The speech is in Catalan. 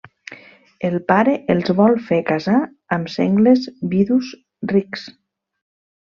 El pare els vol fer casar amb sengles vidus rics.